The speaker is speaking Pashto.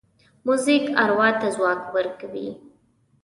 موزیک اروا ته ځواک ورکوي.